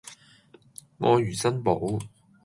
愛如珍寶